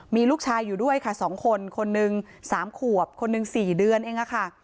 มีลูกชายอยู่ด้วยค่ะ๒คนคนหนึ่ง๓ขวบคนหนึ่ง๔เดือนเองค่ะ